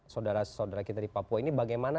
saudara saudara kita di papua ini bagaimana